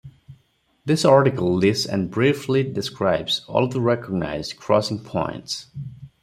This article lists and briefly describes all of the recognised crossing points.